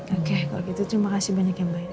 oke kalau gitu terima kasih banyak ya mbak